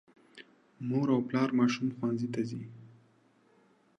مور او پلار ماشوم ښوونځي ته ځي.